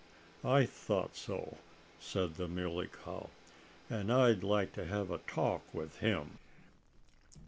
"I thought so," said the Muley Cow. "And I'd like to have a talk with him."